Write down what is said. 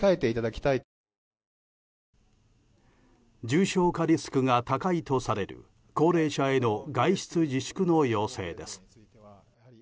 重症化リスクが高いとされる高齢者への外出自粛の要請です。